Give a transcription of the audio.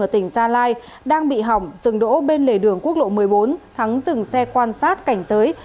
tỉnh gia lai đang bị hỏng dừng đỗ bên lề đường quốc lộ một mươi bốn thắng dừng xe quan sát cảnh giới